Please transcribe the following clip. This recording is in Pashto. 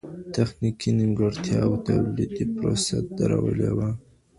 تخنيکي نيمګړتياوو توليدي پروسه درولې وه.